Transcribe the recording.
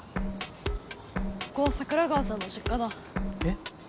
ここは桜川さんの実家だ。え？